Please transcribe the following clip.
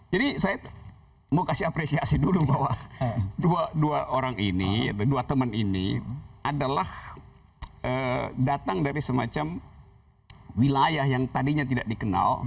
jadi saya mau kasih apresiasi dulu bahwa dua orang ini dua teman ini adalah datang dari semacam wilayah yang tadinya tidak dikenal